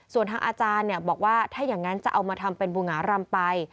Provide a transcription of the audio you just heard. ส่วนทางอาจารย์บอกว่าถ้าอย่างนั้นจะเอามาทำเป็นบูหงารำไป